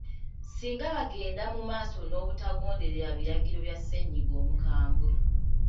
Singa bagenda mu maaso n’obutagondera biragiro bya ssennyiga omukambwe.